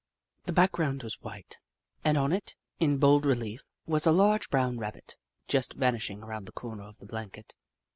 The background was white, and on it, in bold relief, was a large brown Rabbit, just vanishing around the corner of the blanket.